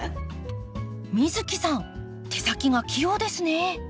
美月さん手先が器用ですね。